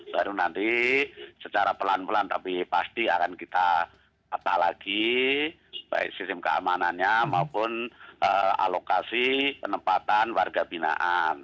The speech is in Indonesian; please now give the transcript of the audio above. baru nanti secara pelan pelan tapi pasti akan kita tata lagi baik sistem keamanannya maupun alokasi penempatan warga binaan